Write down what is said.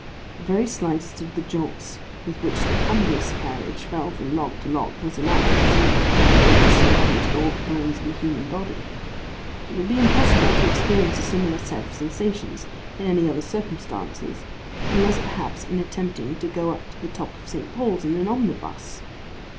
The very slightest of the jolts with which the ponderous carriage fell from log to log, was enough, it seemed, to have dislocated all the bones in the human body. It would be impossible to experience a similar set of sensations, in any other circumstances, unless perhaps in attempting to go up to the top of St. Paul's in an omnibus.